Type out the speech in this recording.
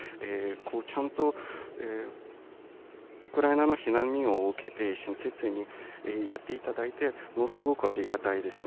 ちゃんとウクライナの避難民を受けて、親切にやっていただいて、ものすごくありがたいですね。